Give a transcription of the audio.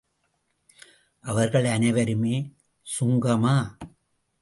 அவர்கள் அனைவருமே சுங்கமா?